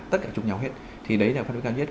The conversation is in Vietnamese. tất cả chung nhau hết thì đấy là phần riêng cao nhất